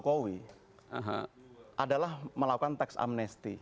jokowi adalah melakukan tax amnesty